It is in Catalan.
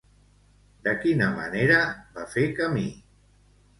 De quina manera va fer camí?